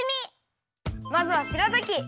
まずはしらたき。